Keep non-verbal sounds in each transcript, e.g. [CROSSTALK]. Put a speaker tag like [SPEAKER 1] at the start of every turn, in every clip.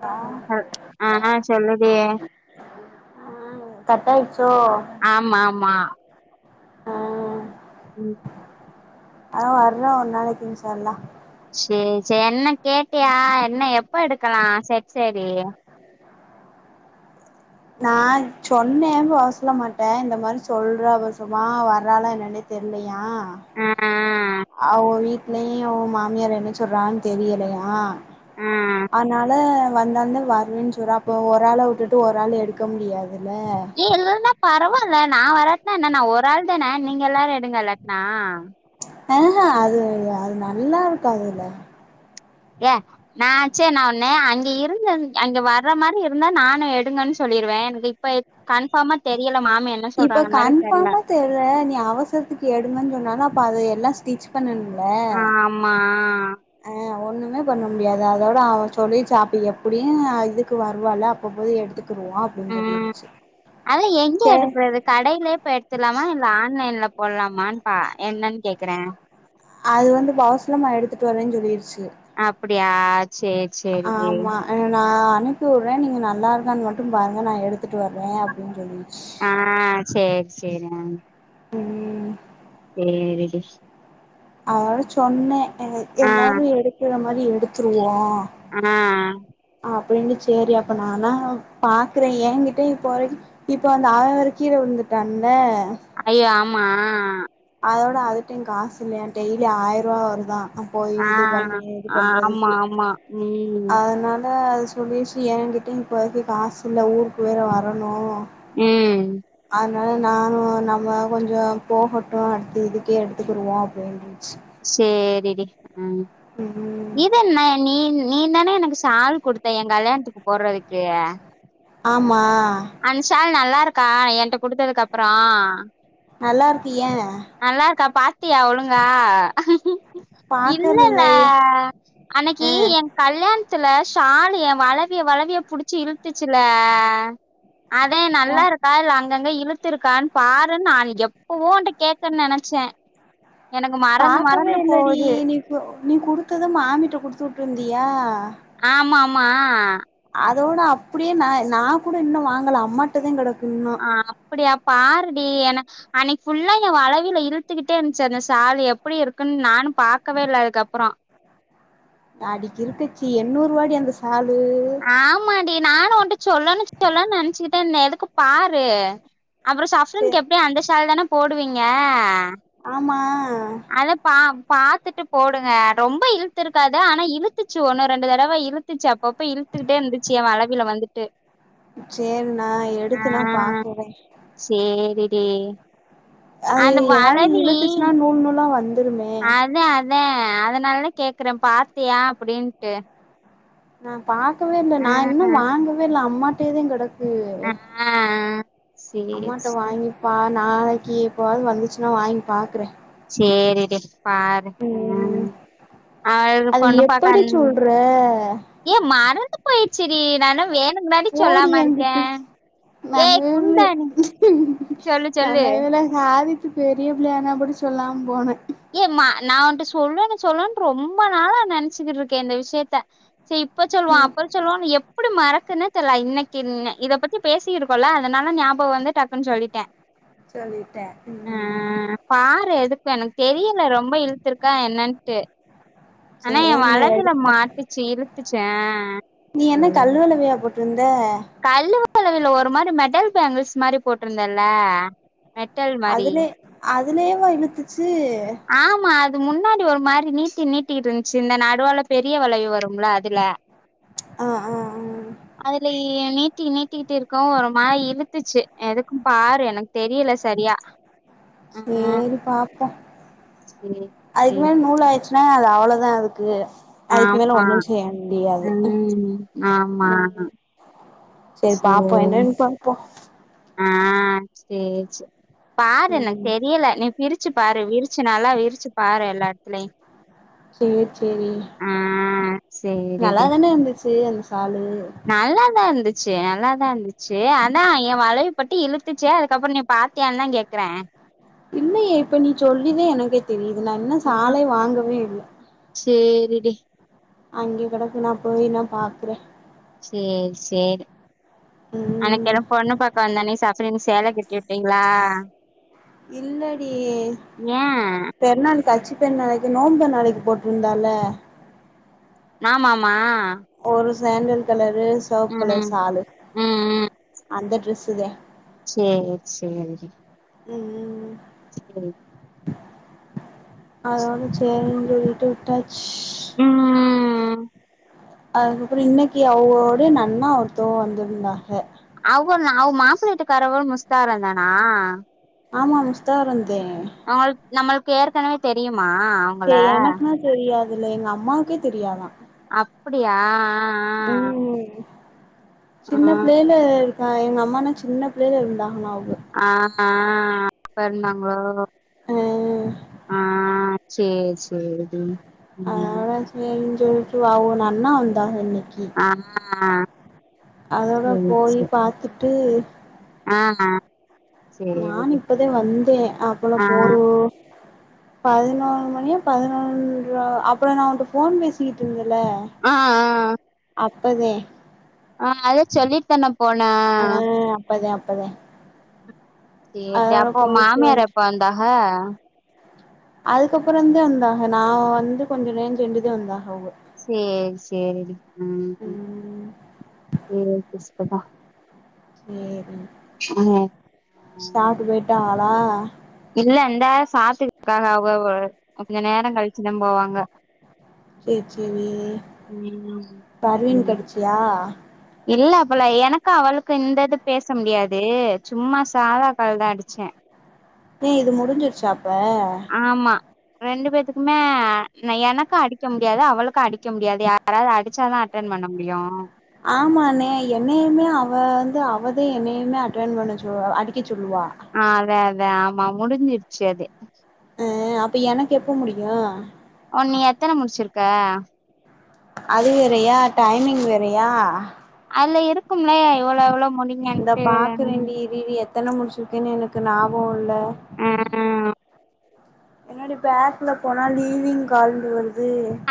[SPEAKER 1] அ
[SPEAKER 2] அ ஆ சொல்லுடீ
[SPEAKER 1] கட் ஆயிடுச்சோ
[SPEAKER 2] ஆமா ஆமா
[SPEAKER 1] ஆ
[SPEAKER 2] ம்
[SPEAKER 1] அதா வர்ற ஒரு நாளக்கி இன்ஷா அல்லா
[SPEAKER 2] சேர் சே என்ன கேட்டியா என்ன எப்பொ எடுக்கலா செட் சேரி
[SPEAKER 1] நா சொன்னே [UNINTELLIGIBLE] அம்மாட்ட இந்த மாரி சொல்றா [UNINTELLIGIBLE] அம்மா வர்றாலா என்னானே தெர்லயா
[SPEAKER 2] ஆ
[SPEAKER 1] அவொ வீட்லையு மாமியார் என்ன சொல்றாங்கன் தெரியலையா
[SPEAKER 2] ஆ
[SPEAKER 1] அனால வந்தாந்த வர்லன் சொல்றா அப்போ ஒரு ஆள விட்டுட்டு ஒரு ஆள் எடுக்க முடியாத்
[SPEAKER 2] ஏ இல்லன்னா பரவா ல்ல நா வராட்னா என்ன நா ஒராள் தான நீங்க எல்லாரு எடுங்க இல்லாட்னா
[SPEAKER 1] ஆஹ அது அது நல்லா இருக்காதுல்ல
[SPEAKER 2] ஏ நா சே நா ஒன்ன அங்கெ இருந்த அங்க வர்ற மாரி இருந்தா நானு எடுங்கன் சொல் லிருவே எனக்கு இப்ப கன்ஃபாமா தெரியல்
[SPEAKER 1] இப்ப கன்ஃபாமா தெர்ல நீ அவசரத்துக்கு எடுங்கன் சொன்னாலு அப்ப அது எல்லா ஸ் டிச் பண்ணணு
[SPEAKER 2] ஆமா
[SPEAKER 1] ஆ ஒண்ணுமே பண்ண முடியாது அதோட அவ சொல்லி சாப்பி எப்டியு இதுக்கு வருவால்ல அப்பொ போய் எடுத்துக்
[SPEAKER 2] ம் அதா எங்க
[SPEAKER 1] சேர்
[SPEAKER 2] எடுக்குறது கடைலயே போய் எட் த்துற்லாமா இல்ல ஆன்லைன்ல போல்லாமான் பா என்னன் கேக்குற
[SPEAKER 1] அது வந்து [UNINTELLIGIBLE] லம்மா எடுத்துட்டு வர்றேன் சொல்லிறிச்சு
[SPEAKER 2] அப்டியா சேரி சேரிடி
[SPEAKER 1] ஆமா அ நா அனுப்பி உர்றே நீங்க நல்லா இருக்கான் மட்டு பாருங்க நா எடுத்துட்டு வர்றே அப்டின் சொல்லிருச்
[SPEAKER 2] ஆ சேர் சேரி அ
[SPEAKER 1] ம்
[SPEAKER 2] சேரி டி
[SPEAKER 1] அதுனால சொன்னே அ
[SPEAKER 2] ஆ
[SPEAKER 1] எல்லாரு எடுக்குற மாரி எடுத்ருவோ
[SPEAKER 2] ஆ
[SPEAKER 1] அப்டினு சேரி அப்ப நானா பாக்குறே ஏங்கிட்ட இப்பொ வரைக் இப்பொ அந்த ஆறு கீழ விழுந் ழுந்துட்டா அண்ண
[SPEAKER 2] ஐயோ ஆமா
[SPEAKER 1] அதோட அதுட்டையு காசு இல்லையா டெய்லி ஆய்ருவா வருதா போயி
[SPEAKER 2] ஆ
[SPEAKER 1] இது பண்ணி இது
[SPEAKER 2] ஆமா
[SPEAKER 1] பண்றதுக்கு
[SPEAKER 2] ஆமா ம்
[SPEAKER 1] அத்னால அது சொல்லிருச்சி ஏங்கிட்டயு இப்போதிக்கி காசில்ல ஊருக்கு வேற வரணு
[SPEAKER 2] ம்
[SPEAKER 1] அத்னால நானு நம்ம கொஞ்சொ போஹட்டு அடுத்து இதுக்கே எடுத்துக்குடுவோ அப்டின்ச்சி
[SPEAKER 2] சேரி டி ம்
[SPEAKER 1] ம்
[SPEAKER 2] இதென்ன நீ நீ தான எனக்கு ஷால் குடுத்த ஏங் கல்யாண்த்துக்கு போர்றதுக்கு
[SPEAKER 1] ஆமா
[SPEAKER 2] அன்ஷால் நல்லா இருக்கா என்ட குடுததுக்கு அப்றோ
[SPEAKER 1] நல்லா இருக்கு ஏ
[SPEAKER 2] த்தி அவ்ளுங்க
[SPEAKER 1] பாக்கறது
[SPEAKER 2] இல்லல்ல
[SPEAKER 1] இல்லயே ஆ
[SPEAKER 2] அன்னைக்கி என் கல்யாண த்துல சாலு ஏ வளவிய வளவிய புடிச்சு இழுத்துச்சுல அதே நல்லா இருக்கா இல்ல அங் அங்கங்க இழுத்து இருகானு பாருனு நா அன் எப்பவோ ஒன்ட கேகனு நெனச்சே எனக்கு மறந்து
[SPEAKER 1] பாக்கவே
[SPEAKER 2] மறந்து
[SPEAKER 1] இல்லடி
[SPEAKER 2] போவுது
[SPEAKER 1] நீ நீ குடுத்தத மாமிட்ட குடுத்து வுட்டுருந்தியா
[SPEAKER 2] ஆமா ஆமா ஆ
[SPEAKER 1] அதோட அப்டியே நா நா கூட இன்னு வாங்கல அம்மாட்டதெ கெடக்கூ
[SPEAKER 2] ஆஹ் அப்டியா பாருடி எனக் அன்னைக் ஃபுல்லா ஏ வளவில இழுத்துகிட்டே இருந்துச்சு அந்த சாலு எப்டி இருக்குனு நானு பாக்கவே இல்ல அதுகப்றோ
[SPEAKER 1] நாடிக்கு இருந்துச்சு எண்ணூறுவாடி அந்த சாலு
[SPEAKER 2] ஆமாடி நானு உன்ட்ட சொலனூ சொலனூ நெனச்சுக்ட்டே இருந்த எதுக்கு பாரு அப்றோ
[SPEAKER 1] சே
[SPEAKER 2] சஃப்ரன்க் எப்யே அந்த ஷால் தானே போடுவீங்க
[SPEAKER 1] ஆமா
[SPEAKER 2] அதப்பா பாத்துட்டு போடுங்க ரொம்ப இழுத்துருக்காது ஆனா இழுத்துச்சு ஒன்னு ரெண்டு தடவ இழுத்துச்சு அப்பப்ப இழுத்து இழுத்துத்துட்டே இருந்துச்சு ஏ வளவில வந்துட்டு
[SPEAKER 1] சேரி நா
[SPEAKER 2] ஆ
[SPEAKER 1] எடுத்துனா பாக்குறே
[SPEAKER 2] ம்
[SPEAKER 1] அது எதாவது இழுத்துச்னா நூல் நூலா வந்துருமே
[SPEAKER 2] அத அதனாலதா கேக்குறே பாத்தியா அப்டின்ட்டு
[SPEAKER 1] நா பாக்கவே இல்ல
[SPEAKER 2] ஆ
[SPEAKER 1] நா இன்னு வாங்கவே இல்ல அம்மாட்டெதே கெடக்
[SPEAKER 2] ஆ
[SPEAKER 1] ஹ்ஹ
[SPEAKER 2] சேரி
[SPEAKER 1] அம்மாட்ட
[SPEAKER 2] சேரி
[SPEAKER 1] வாங்கிபார் நாளைக்கி எப்போவது வந்துச்னா வாங்கி பாக்குறே
[SPEAKER 2] சேரி தே பாரு
[SPEAKER 1] ம்
[SPEAKER 2] உம் அவ்ளுக்
[SPEAKER 1] அது
[SPEAKER 2] பொண்ணு பாக்க
[SPEAKER 1] எப்படி
[SPEAKER 2] ன்
[SPEAKER 1] சொல்ற
[SPEAKER 2] ஏ மறந்து போய்றுச்சுடி நானென்ன வேணுனாடி சொல்லாம இருக்கெ
[SPEAKER 1] நல்
[SPEAKER 2] சொல்லு சொல்லு
[SPEAKER 1] நல்ல வேல சாதி பெரிய பிள்ளயானாப்டி சொல்லாம போனெ
[SPEAKER 2] ஏமா நா வந்ட்டு சொல்லுனு சொல்லுனு ரொம்ப நாளா நெனச்சுகிட்டு இருக்கே இந்த விஷ்யத்த செரி இப்ப சொல்லுவோ
[SPEAKER 1] ம்
[SPEAKER 2] அப்றோ சொல்லுவோனு எப்டி மறகுன்னு தெர்ல இன்னைக்கி இன் இத பத்தி பேசிருகோல்ல அதனால ஞாபகோ வந்து டக்னு சொல்லிட்டே
[SPEAKER 1] சொல்லிட்டே உம்
[SPEAKER 2] பாரு எதுக்கும் எனக்கு தெரியல ரொம்ப இழுத்துருகா என்னன்ட்டு ஆனா என்
[SPEAKER 1] சேர்னு
[SPEAKER 2] வளவில
[SPEAKER 1] எடுத்துட்டோ
[SPEAKER 2] மாட்டுச்சு இழுத்துச்சா
[SPEAKER 1] நீ
[SPEAKER 2] அ
[SPEAKER 1] என்ன கல்லுவளவையா [UNINTELLIGIBLE]
[SPEAKER 2] ளவில ஒரு மாரி மெட்டல் பேங்கிள்ஸ் மாரி போட்ருந்தெல்ல
[SPEAKER 1] அதுலே அதுலயேவா இழுத்துச்சு
[SPEAKER 2] ஆமா அது முன்னாடி ஒரு மாரி நீட்டி நீட்டி இருந்ச்சு இந்த நடுவால பெரிய வளைவு வரும்ல அதுல
[SPEAKER 1] ஆ ஆ ஆ
[SPEAKER 2] அதுலயே நீ நீட்டி நீட்டிகிட்டே இருகவு ஒரு மாரி இழுத்துச்சு எதுக்கு பாரு எனக்கு தெரியல சரியா ஆ
[SPEAKER 1] சேரி பாபோம்
[SPEAKER 2] சேரி
[SPEAKER 1] அதுக்
[SPEAKER 2] சேரி
[SPEAKER 1] மேல் நூலாயிட்ச்னா அது அவ்ளோவுதா அது க்கு அதுக்கு மேல
[SPEAKER 2] ஆமா
[SPEAKER 1] ஒண்ணு செய்ய முடியாது
[SPEAKER 2] ம் ஆமா
[SPEAKER 1] உம் செரி பாபோம் என்னன்னு பாபோ
[SPEAKER 2] ஆஹ் சேர் செரி பாரு எனக்கு
[SPEAKER 1] ம்
[SPEAKER 2] தெரியல நீ பிருச் பிருச்சு பாரு விருச்சு நல்லா விருச்சு பாரு எல்லாடத்லயு
[SPEAKER 1] செரி செரி
[SPEAKER 2] சேரிடி
[SPEAKER 1] நல்லா தானே இருந்துச்சு அந்த சாலு
[SPEAKER 2] சே நல்லாதா இருந்துச்சு அதா ஏ வளவி பட்டி இழுத்துச்சு அதுக்கப்றோ நீ பாத்தியானு தா கேக்குறே
[SPEAKER 1] இல்லையே இப்ப நீ சொல்லிதே எனக்கே தெரியுது நா இன்னு
[SPEAKER 2] ஆ
[SPEAKER 1] சாலே வாங்கவே இல்ல
[SPEAKER 2] சேரிடி
[SPEAKER 1] அங்கே கெடக்கு நா போய் நா பாக்குறே
[SPEAKER 2] சேரி சேரி அன்னைக்கி
[SPEAKER 1] ம்
[SPEAKER 2] என்ன பொண்ணு பாக்க வந்தன்னிக்கு சஃபரினுக்கு சேல கட்டி வுட்டீங்களா
[SPEAKER 1] இல்லடி பெருநாள் தச்சு ப்ப நாளைக்கு நோம்பு நாளைக்கு போட்ருந்தால
[SPEAKER 2] ஆமாமா
[SPEAKER 1] ஒரு சாண்டல் கலரு செவப்பு கலர்
[SPEAKER 2] ம்
[SPEAKER 1] சாலு
[SPEAKER 2] ம்
[SPEAKER 1] அந்த ட்ரெஸ் பித
[SPEAKER 2] சேரி சேரிடி
[SPEAKER 1] ம் ம்
[SPEAKER 2] சேரி
[SPEAKER 1] அதோட சேரின்டு விட்டு விட்டாச்சு
[SPEAKER 2] ம்
[SPEAKER 1] அதுக்கப்றோ இன்னைக்கு அவகளோட நன்னா ஒருத்தவங்க வந்திருந்தாங்க
[SPEAKER 2] அவுக அவ் மாப்ளவீட்டுக்காரவ் முஸ்தாரந்தானா
[SPEAKER 1] ஆமா முஸ்தாரந்
[SPEAKER 2] அவுள் நம்மளுக்கு ஏற்கனவே தெரியும்
[SPEAKER 1] தே எனக்குன்னா தெரியாதுல்ல எங்க அம்மாவுக்கே தெரியாதா
[SPEAKER 2] அப்டியா ஆஹ் ஆஹ்
[SPEAKER 1] ம்
[SPEAKER 2] ஆ ஆ
[SPEAKER 1] சின்ன
[SPEAKER 2] ஆ
[SPEAKER 1] பிள்ளையில இருக்கா எங்க அம்மானா சின்ன பிள்ளைல இருந்தாகளா அவு
[SPEAKER 2] ஆஹ் ஹ் அப்ப இருந்தாங்களோ
[SPEAKER 1] ஆஹ்
[SPEAKER 2] ஆஹ் சேரி சேரி டி ம்
[SPEAKER 1] சேரிச்சு அவுக நன்னா வந்தாக இன்னக்கி
[SPEAKER 2] ஆஹ் ஹ
[SPEAKER 1] அதோட போயி பாத்துட்டு
[SPEAKER 2] ஆஹ
[SPEAKER 1] நானு இப்பதா வந்தே அப்பல
[SPEAKER 2] ஆ
[SPEAKER 1] போறு பதினோரு மணியா பதினொன்ற அப்ப நா உன்கிட்ட போன் பேசிக்கிட்டு இருந்தே ல
[SPEAKER 2] ஆ ஆ
[SPEAKER 1] அப்பதே
[SPEAKER 2] ஆஹ் அத சொல்லிட்டு தானே போனா
[SPEAKER 1] ஆ அப்பதே அப்பதே
[SPEAKER 2] சேரி
[SPEAKER 1] அதோட
[SPEAKER 2] அப்போ ஓ
[SPEAKER 1] போயிட்டு
[SPEAKER 2] மாமியார்
[SPEAKER 1] வந்து
[SPEAKER 2] எப்ப வந்தாஹ
[SPEAKER 1] அதுக்கப்பறந்தே வந்தாக நா வந்து கொஞ்ச நேரோ சென்டுதா வந்தாக
[SPEAKER 2] சேரி சேரிடி ம்
[SPEAKER 1] ம்
[SPEAKER 2] சேரி ஷ்அப்பா
[SPEAKER 1] சேரி
[SPEAKER 2] ம்
[SPEAKER 1] சாப்டு போயிட்டாகளா
[SPEAKER 2] இல்ல இந்த சாப்டுட்ருக்காக அவ அவு கொஞ்சோ நேரோ கழிச்சுதா போவாங்க
[SPEAKER 1] செரி செரி
[SPEAKER 2] ம் ம்
[SPEAKER 1] பர்வீன்க்கு அடிச்சியா
[SPEAKER 2] இல்ல அப் ல போலா எனக்கு அவளுக்கு இந்த இது பேச முடியாது சும்மா சாதாக்கால் தா அடிச்சே
[SPEAKER 1] ஏ இது முடிஞ்சிருச்சா அப்ப
[SPEAKER 2] ஆமா ரெண்டு பேத்துக்குமே எனக்கு அடிக்க முடியாது அவளுக்கு அடிக்க முடியாது யாராவது அடிச்சாதா அடிக் டன் பண்ண முடியு
[SPEAKER 1] அது என்னையுமே அட்டன் பண்ண சொல்வா அடிகச் சொ சொல்லுவா
[SPEAKER 2] ஆஹ் அதா அதா ஆமா முடிஞ்சிருச்சு அது
[SPEAKER 1] ஆ அப்ப எனக்கு எப்ப முடியு
[SPEAKER 2] ஓன் நீ எத்தன முடிச்சிருக்க
[SPEAKER 1] அது வேறயா டைமிங் வேறயா
[SPEAKER 2] அதில இருக்குமே இல்ல எவ்ளோ எவ்ளோ
[SPEAKER 1] இந்தா பாக்குறேன் டி இருடி எத்தன முடிச்சிருக்கேனு எனக்கு ஞாபகோ இல்ல
[SPEAKER 2] ம்
[SPEAKER 1] என்னாடி பேக்ல போனா லீவிங் கால்ண்டு வருது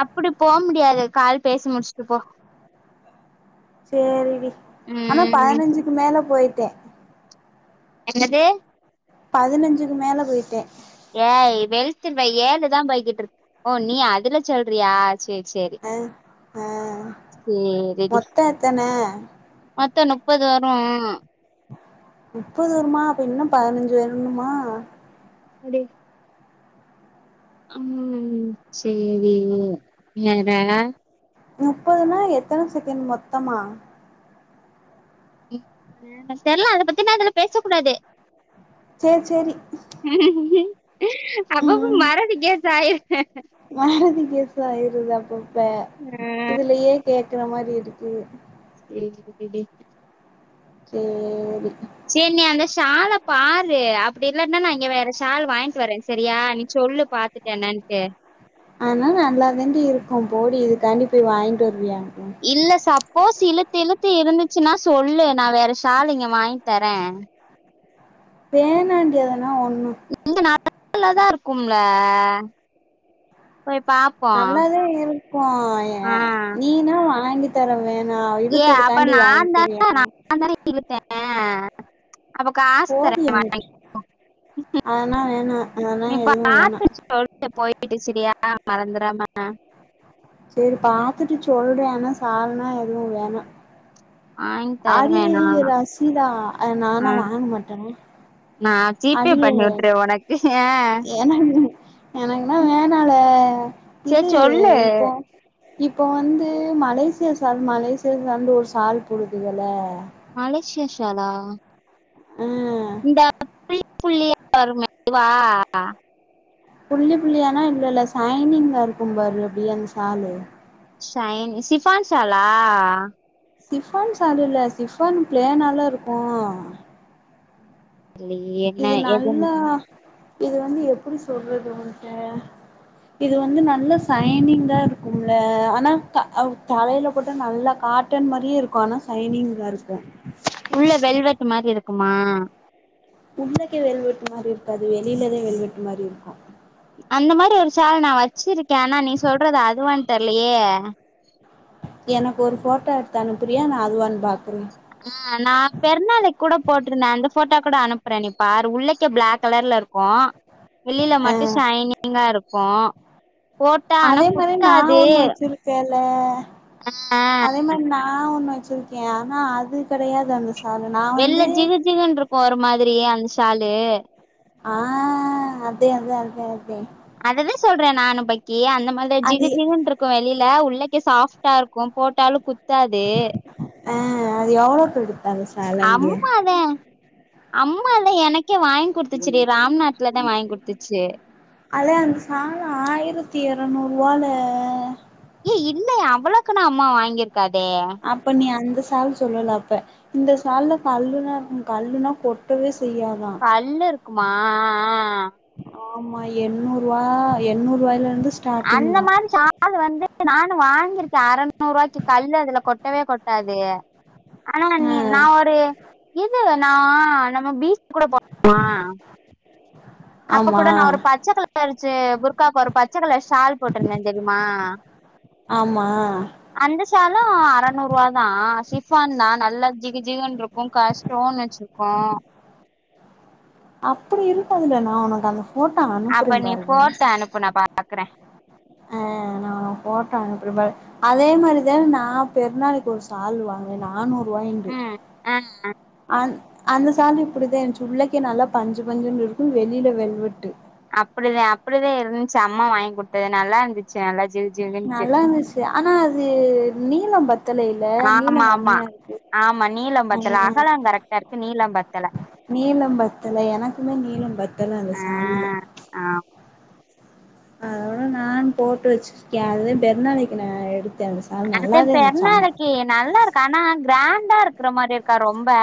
[SPEAKER 2] அப்டி போ முடியாது கால் பேசி முடிச்சுட்டு போ
[SPEAKER 1] சேரிடீ ஆனா
[SPEAKER 2] ம்
[SPEAKER 1] பதினஞ்சுக்கு மேல போயிட்டே
[SPEAKER 2] என்னது
[SPEAKER 1] பதனஞ்சுக்கு மேல போயிட்டேன்
[SPEAKER 2] ஏய் வெளுத்துருவே ஏழுதா போய்கிட்டுருக் ஓ நீ அதுல சொல்றியா? சேர் சேரி
[SPEAKER 1] அ ஆ
[SPEAKER 2] சேரிடி
[SPEAKER 1] மொத்தோ எத்தன
[SPEAKER 2] மொத்தோ நுப்பது வரு
[SPEAKER 1] நுப்பது வருமா அப்ப இன்னு பதனஞ்சு வரனுமா?
[SPEAKER 2] அடி அம் சேரி வேற
[SPEAKER 1] முப்பதுனா எத்தன செகண்ட் மொத்தமா?
[SPEAKER 2] [INAUDIBLE] தெர்லா அத பத்தி நா இதுல பேச கூடாது
[SPEAKER 1] சேர் சேரி
[SPEAKER 2] அப்பப்போ மறதிகேஸ் ஆயிர்ர
[SPEAKER 1] மறதி கேஸ் ஆயிருது அப்பப்ப
[SPEAKER 2] ஆ
[SPEAKER 1] இதுலயே கேக்கற மாரி இருக்கு
[SPEAKER 2] சேரி‌ விடுடி
[SPEAKER 1] சேரி
[SPEAKER 2] சேரி நீ அந்த ஷால பாரு அப்படி இல்லாட்னா நான் இங்க வேற ஷால் வாங்கிட்டு வரேன் சரியா நீச் சொல்லு பாத்துட்டு என்னன்ட்டு
[SPEAKER 1] ஆனா நல்லா தான்டீ இருக்கு போடி இதுக்காண்டி போய் வாங்கிட்டு வருவியா?
[SPEAKER 2] இல்ல சப் போஸ் இழுத்து இழுத்து இருந்துச்சுனா சொல்லு நா வேற ஷால் இங்க வாங்கி தரேன்
[SPEAKER 1] வேணான்டி அதுனா ஒண்ணு
[SPEAKER 2] [UNINTELLIGIBLE] லதா இருக்குமல்ல
[SPEAKER 1] நல்லாதா இருக்கு எ
[SPEAKER 2] ஆ
[SPEAKER 1] நீனா வாங்கி தருவே நா
[SPEAKER 2] ஏ அப்ப
[SPEAKER 1] இழுத்ததுக்காண்டி வாங்கி
[SPEAKER 2] நான் தானே
[SPEAKER 1] தரியாமா
[SPEAKER 2] நான் தானே இழுத்தேன் அப்ப காஸ் தர நீ
[SPEAKER 1] எங்கிட்
[SPEAKER 2] வாங்கிகோ
[SPEAKER 1] அதெல்லா வேணா அதெல்லா
[SPEAKER 2] நீ
[SPEAKER 1] எதுவு வேணா
[SPEAKER 2] பாத்தா சொல் போயிடு செரியா மறந்திறாம
[SPEAKER 1] சேரி பாத்துட்டு சொல்றேன் ஆனா சால்னா எதுவும் வேணா
[SPEAKER 2] வாங்கி
[SPEAKER 1] அதே
[SPEAKER 2] தருவேனா
[SPEAKER 1] ரசீதா ஆ நானா வாங்க மாட்டேனே
[SPEAKER 2] நான் ஜிபே
[SPEAKER 1] அடியே
[SPEAKER 2] பண்ணி விட்டுறேன் உனக்கு ஆ
[SPEAKER 1] எனக்கு எனக்குனா வேணால எ
[SPEAKER 2] சரி
[SPEAKER 1] இது
[SPEAKER 2] சொல்லு
[SPEAKER 1] இப்போ இப்ப வந்து மலேசிய சால் மலேசிய சால்னு ஒரு சால் போடுதுகல்ல
[SPEAKER 2] மலேஷியா ஷாலா
[SPEAKER 1] ஆ
[SPEAKER 2] இந்த புள்ளி புள்ளியா வருமே அதுவா
[SPEAKER 1] புள்ளி புள்ளியானா இல்ல இல்ல சைனிங்கா இருக்கும் பாரு அப்டியே அந் சாலு
[SPEAKER 2] ஷைன் ஷிஃபான் ஷாலா
[SPEAKER 1] ஷிஃபான் சால் இல்ல சிஃபான் பிளேன்னால்ல இருக்கு
[SPEAKER 2] இல்லையே என்ன
[SPEAKER 1] இது நல்லா
[SPEAKER 2] எதுன்னு
[SPEAKER 1] இது வந்து எப்டி சொல்றது உன்ட்ட இது வந்து நல்லா சைனிங்கா இருக்குமல்ல ஆனா க தலையில போட்டா நல்ல கா காட்டன் மாரியே இருக்கு ஆனா சைனிங்கா இருக்கு
[SPEAKER 2] உள்ள வெல்வெட் மாரி இருக்குமா?
[SPEAKER 1] உள்ளக்கே வெல் வெட்டு மாரி இருக்காது வெளியிலதெ வெல் வெட்டு மாரி இருக்கு
[SPEAKER 2] அந்த மாரி ஒரு சால் நான் வச்சிருக்கேன் ஆனா நீ சொல்றது அதுவான் தெர்லயே
[SPEAKER 1] எனக்கு ஒரு போட்ட எடுத்து அனுப்பிரியா நான் அதுவான் பாக்
[SPEAKER 2] ஆஹ் நான் பெருநாளைக்கு கூட போட்டிருந்தேன் அந்த போட்டோ கூட அனுப் பறேன் நீ பாரு உள்ளக்கே பிளாக் கலர்ல இருக்கும் வெளியில மட்டும் ஷைனிங்கா இருக் கும்
[SPEAKER 1] அதே மாரி நான் ஒண்ணு வச்சிருக்கேன்ல
[SPEAKER 2] ஆ
[SPEAKER 1] அதே மாரி நா ஒண்ணு வச்சுருக்கேன் ஆனா அது கெடயாது அந்த சா
[SPEAKER 2] வெளியல ஜிகு ஜிகுன்னு இருக்கும் ஒரு மாரி அந்த சால்லு
[SPEAKER 1] ஆஹ் அதே அதே அதே அதே
[SPEAKER 2] அததான் சொல்றேன் நானும் பக்கி அந்த மாரித
[SPEAKER 1] அது
[SPEAKER 2] ஜிகு ஜிகுன்ட்டு இருக்கும் வெளியில உள்ளக்கே சாப் டா இருக்கும் போட்டாலும் குத்தாதே
[SPEAKER 1] ஆஹ் அது எவ்ளோக்கு எடுத்
[SPEAKER 2] அம்மாதே அம்மாதே எனக்கே வாங்கி குடுத்துச்சுடி ராம்நாத்லதான் வாங்கி குடுத்துச்சு
[SPEAKER 1] அதான் அந்த சால்லு ஆயிரத்தி இரநூறு ரூவால
[SPEAKER 2] ஏ இல்ல அவ்ளவுக்குன்னா அம்மா வாங்கியிருக்காதே
[SPEAKER 1] அப்ப நீ அந்த சால் சொல்லலப்ப இந்த சால்ல கல்லுலா கல்லுனா கொட்டவே செய்யாதா
[SPEAKER 2] அம்மா
[SPEAKER 1] ஆமா எண்ணூறுவா எண்ணூறு ரூவாயிலருந்து
[SPEAKER 2] அந்த மாரி சால் வந்து நானு வாங்கிருக்கேன் அறநூறு ரூவாய்க்கு கல்லு அதுல கொட்டவே கொட்டாது ஆனா
[SPEAKER 1] ஆ
[SPEAKER 2] நான் ஒரு இது நான் நம்ம பீச் கூட போட்டமா அப்ப
[SPEAKER 1] ஆமா
[SPEAKER 2] கூட நான் ஒரு பச்ச கலரயிச்சு புர்காக்கு ஒரு பச்ச கலர் சால் போட்டிருந்தேன் தெரியுமா
[SPEAKER 1] ஆமா
[SPEAKER 2] அந்த சால்லும் அறநூறு ரூவா தான் சிஃபான் தான் நல்லது ஜிகு ஜிகுனுருக்கும் க ஸ்டோன் வச்சிருக்கும்
[SPEAKER 1] அப்டி இருக்காதுல்ல நா உனக்கு அந்த போட்டோ
[SPEAKER 2] அப்ப
[SPEAKER 1] அனுப்புறன்
[SPEAKER 2] நீ
[SPEAKER 1] பாருவே
[SPEAKER 2] போட்டோ அனுப்பு நான் பாக்குறேன்
[SPEAKER 1] அஹ் நா உனக்கு ஃபோட்டா அனுப்பறேன் பாரு அதே மாரிதானே நான் பெருநாளைக்கு ஒரு சால் வாங் அது நானூறு ரூவாயாண்டு
[SPEAKER 2] ம் ஆ
[SPEAKER 1] அந் அந்த சாலும் இப்படிதான் இருந்துச்சு உள்ளக்கே நல்லா பஞ்சு பஞ்சு இருக்கும் வெளியில வெல்வட்டு
[SPEAKER 2] அப்படிதான் அப்படிதான் இருந்துச்சு அம்மா வாங்கி கொடுத்ததுனால இருந்துச்சு நல்லா ஜீ
[SPEAKER 1] நல்லாந்துச்சு ஆனா அது நீளம் பத் தல இல்ல
[SPEAKER 2] ஆமா
[SPEAKER 1] நீளம்
[SPEAKER 2] ஆமா
[SPEAKER 1] கம்மியா இருக்கு
[SPEAKER 2] ஆமா நீளம் பத்தல
[SPEAKER 1] உம்
[SPEAKER 2] அகலம் கரெக்டா இருக்கு நீளம் பத்தல
[SPEAKER 1] நீளம் பத்தல எனக்குமே நீளம் பத்தல அந்த சால்ல
[SPEAKER 2] ஆஹ்
[SPEAKER 1] அதோட நான் போட்டு வச்சிருக்கேன் அதுத பெருநாளைக்கு நான் எடுக்
[SPEAKER 2] அத பெருநாளைக்கு நல்லா இருக்கு ஆனா கிராண்டா இருக்கற மாரி இருக்கா ரொம்ப